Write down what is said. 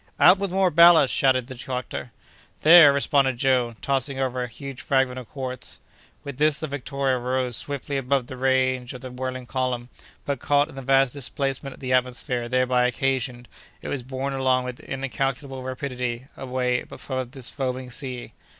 "Out with more ballast!" shouted the doctor. "There!" responded Joe, tossing over a huge fragment of quartz. With this, the Victoria rose swiftly above the range of the whirling column, but, caught in the vast displacement of the atmosphere thereby occasioned, it was borne along with incalculable rapidity away above this foaming sea.